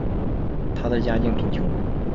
她的家境贫穷。